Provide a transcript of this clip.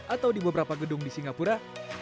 atau di beberapa gedung di singapura